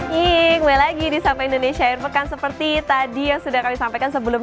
hai ingin lagi di sampai indonesia yang pekan seperti tadi yang sudah kami sampaikan sebelum